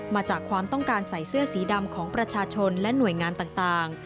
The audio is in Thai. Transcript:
มาจากความต้องการใส่เสื้อสีดำของประชาชนและหน่วยงานต่าง